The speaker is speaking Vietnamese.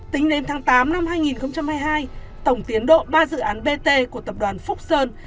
tính đến tháng tám năm hai nghìn hai mươi hai tổng tiến độ ba dự án bt của tập đoàn phúc sơn